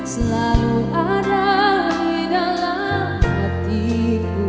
selalu ada di dalam hatiku